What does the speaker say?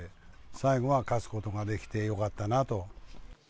最後は勝つことができてよかったなと。